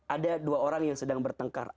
ada dua orang yang sedang bertengkar